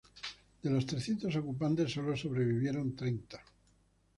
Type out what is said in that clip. De los trescientos ocupantes solo sobrevivieron treinta.